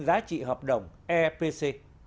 giá trị hợp đồng epc